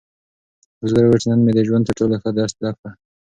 بزګر وویل چې نن مې د ژوند تر ټولو ښه درس زده کړ.